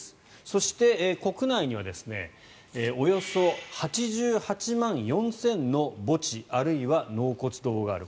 そして、国内にはおよそ８８万４０００の墓地あるいは納骨堂がある。